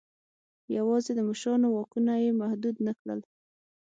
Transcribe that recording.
یوازې د مشرانو واکونه یې محدود نه کړل.